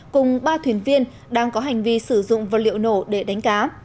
cùng ba thuyền viên đang có hành vi sử dụng vật liệu nổ để đánh cá